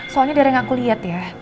soalnya dari yang aku lihat ya